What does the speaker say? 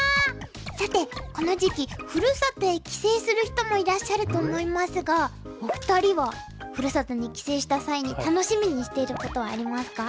さてこの時期ふるさとへ帰省する人もいらっしゃると思いますがお二人はふるさとに帰省した際に楽しみにしていることはありますか？